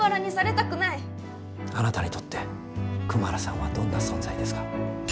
あなたにとってクマラさんはどんな存在ですか？